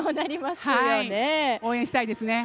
応援したいですね。